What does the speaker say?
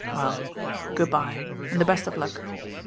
Well, good bye, and the best of luck.